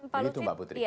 begitu mbak putri